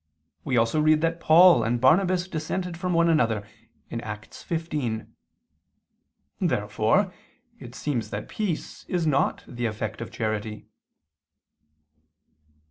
We also read that Paul and Barnabas dissented from one another (Acts 15). Therefore it seems that peace is not the effect of charity.